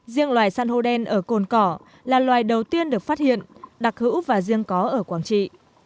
riêng loài san hô đen ở cồn cỏ là loài đầu tiên được phát hiện đặc hữu và riêng có ở quảng trị